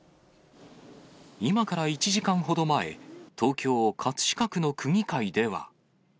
今から１時間ほど前、東京・葛飾区の区議会では。